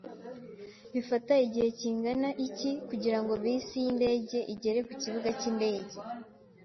Bifata igihe kingana iki kugirango bisi yindege igere ku kibuga cyindege?